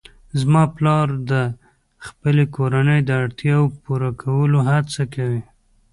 زما پلار د خپلې کورنۍ د اړتیاوو پوره کولو هڅه کوي